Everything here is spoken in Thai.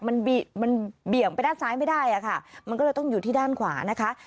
มันมันเบี่ยงไปด้านซ้ายไม่ได้อะค่ะมันก็เลยต้องอยู่ที่ด้านขวานะคะ